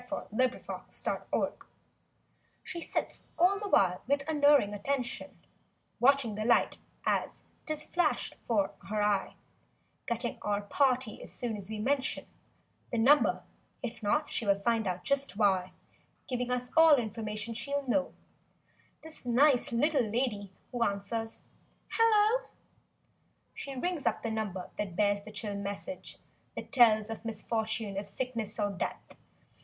THE TELEPHONE GIRL She sits all the while with unerring attention Watching the light as 'tis flashed 'fore her eye; Getting our "party" as soon as we mention The number—if not she will find out just why— Giving us all information she'll know— This nice little lady who answers—"Hello!" She rings up the number that bears the chill message That tells of misfortune, of sickness or death.